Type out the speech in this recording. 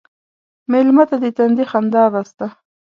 مېلمه ته د تندي خندا بس ده.